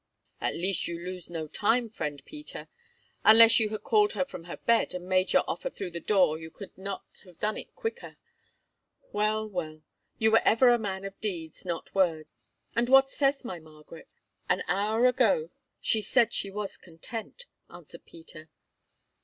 "At least you lose no time, friend Peter; unless you had called her from her bed and made your offer through the door you could not have done it quicker. Well, well, you ever were a man of deeds, not words, and what says my Margaret?" "An hour ago she said she was content," answered Peter.